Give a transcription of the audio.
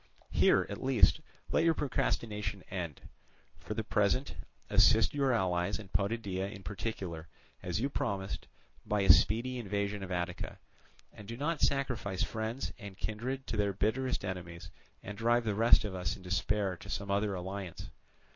"Here, at least, let your procrastination end. For the present, assist your allies and Potidæa in particular, as you promised, by a speedy invasion of Attica, and do not sacrifice friends and kindred to their bitterest enemies, and drive the rest of us in despair to some other alliance.